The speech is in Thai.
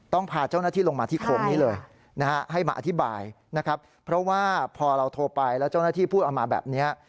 พาเจ้าหน้าที่ลงมาที่โค้งนี้เลยนะฮะให้มาอธิบายนะครับเพราะว่าพอเราโทรไปแล้วเจ้าหน้าที่พูดออกมาแบบนี้